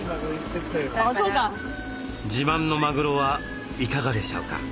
自慢のマグロはいかがでしょうか？